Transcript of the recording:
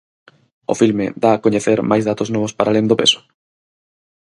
O filme dá a coñecer máis datos novos para alén do peso?